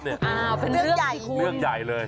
เป็นเรื่องใหญ่คุณเรื่องใหญ่เลย